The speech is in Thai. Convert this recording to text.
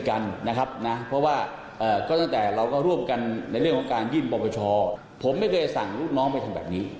เขาคือเขาไม่ได้มุ่งชาผม